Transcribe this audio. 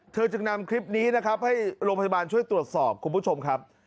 จึงนำคลิปนี้นะครับให้โรงพยาบาลช่วยตรวจสอบคุณผู้ชมครับ